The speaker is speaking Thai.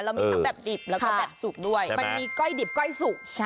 มีทั้งแบบดิบแล้วก็แบบสุกด้วยมันมีก้อยดิบก้อยสุก